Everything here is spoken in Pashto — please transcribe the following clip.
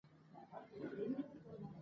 حمدالله صحاف بحر الملوم چاپ کړی دﺉ.